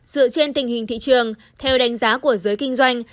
dựa trên tình hình thị trường theo đánh giá của giới kinh doanh